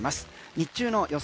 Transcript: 日中の予想